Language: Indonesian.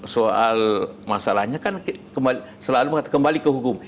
soal masalahnya kan selalu mengatakan kembali ke hukum